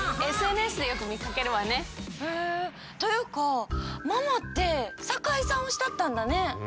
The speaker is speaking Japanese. ＳＮＳでよくみかけるわね。というかママって酒井さん推しだったんだね！